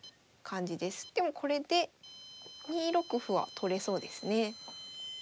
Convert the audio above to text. でもこれで２六歩は取れそうですね。